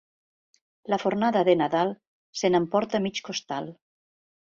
La fornada de Nadal se n'emporta mig costal.